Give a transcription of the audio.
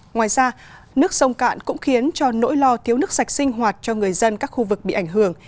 ngoài ra nước sông cạn cũng khiến cho nỗi lo thiếu nước sạch sinh hoạt cho người dân các khu vực bị ảnh hưởng